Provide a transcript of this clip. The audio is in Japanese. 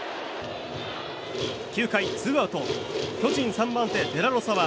９回ツーアウト巨人３番手、デラロサは